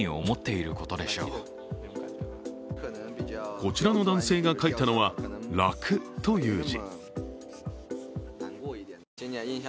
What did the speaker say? こちらの男性が書いたのは「楽」という字。